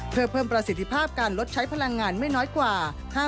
เพื่อเพิ่มประสิทธิภาพการลดใช้พลังงานไม่น้อยกว่า